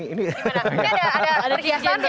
ini ada perhiasan ya